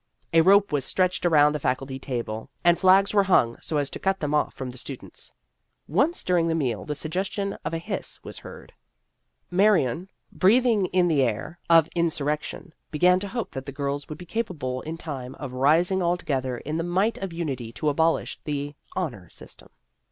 A rope was stretched around the Faculty table, and flags were hung so as to cut them off from the students. Once during the meal the suggestion of a hiss was heard. Marion, breathing in the air of no Vassar Studies insurrection, began to hope that the girls would be capable in time of rising all to gether in the might of unity to abolish the " Honor System."